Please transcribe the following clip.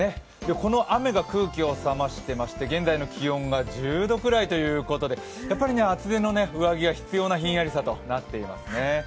この雨が空気を冷ましていまして、現在の気温が１０度くらいということで厚手の上着が必要なひんやりさとなっていますね。